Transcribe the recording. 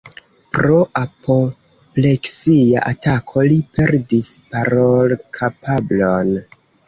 Pro apopleksia atako li perdis parolkapablon.